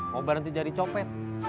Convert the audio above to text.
mau berhenti jadi copet